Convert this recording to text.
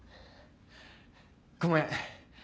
ごめん。